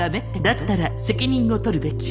「だったら責任を取るべき」